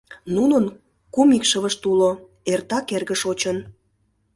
Нунын кум икшывышт уло — эртак эрге шочын.